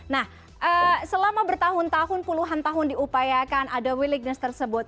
nah selama bertahun tahun puluhan tahun diupayakan ada willingness tersebut